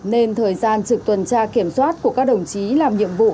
nên thời gian trực tuần tra kiểm soát của các đồng chí làm nhiệm vụ